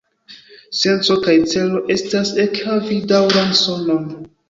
Senco kaj celo estas ekhavi daŭran sonon.